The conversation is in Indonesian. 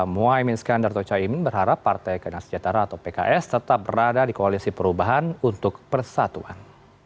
muhaymin skandar atau caimin berharap partai kena sejahtera atau pks tetap berada di koalisi perubahan untuk persatuan